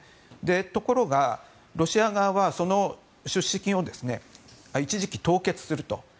ところが、ロシア側はその出資金を一時期、凍結すると。